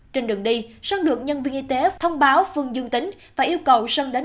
trên đường đi sơn được nhân viên y tế thông báo phương dương tính và yêu cầu sơn đến